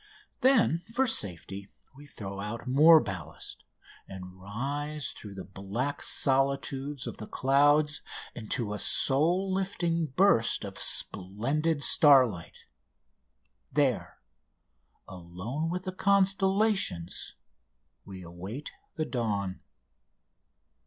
Then for safety we throw out more ballast, and rise through the black solitudes of the clouds into a soul lifting burst of splendid starlight. There, alone with the constellations, we await the dawn.